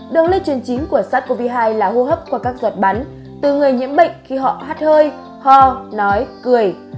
đường lây truyền chính của sars cov hai là hô hấp qua các giọt bắn từ người nhiễm bệnh khi họ hát hơi ho nói cười